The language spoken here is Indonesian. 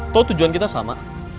lo tujuan kita sama